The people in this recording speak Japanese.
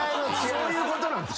そういうことなんすか？